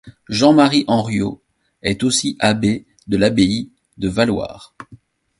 Jean-Marie Henriau est aussi abbé de l'abbaye de Valloires.